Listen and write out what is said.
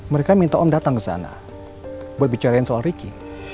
mereka minta om datang ke sana berbicara soal ricky